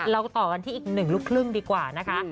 เราต่อกันที่อีกหนึ่งลูกครึ่งดีกว่านะคะ